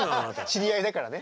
知り合いだからね。